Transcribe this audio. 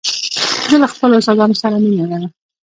زه له خپلو استادانو سره مینه لرم.